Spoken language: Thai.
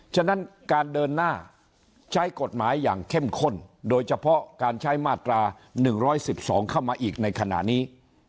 ฉะนั้นการเดินหน้าใช้กฎหมายอย่างเข้มข้นโดยเฉพาะการใช้มาตรา๑๑๒เข้ามาอีกในขณะนี้